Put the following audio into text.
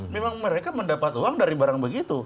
memang mereka mendapat uang dari barang begitu